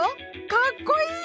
かっこいい！